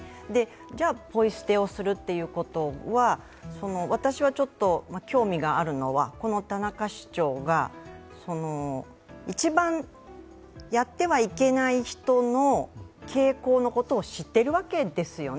じゃあ、ポイ捨てをすることは私がちょっと興味があるのは、この田中市長が一番やってはいけない人の傾向のことを知っているわけですよね。